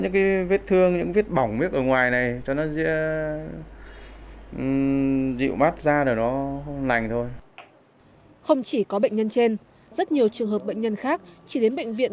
không chỉ có bệnh nhân trên rất nhiều trường hợp bệnh nhân khác chỉ đến bệnh viện